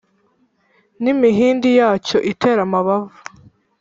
N' imihini yacyo itera amabavu.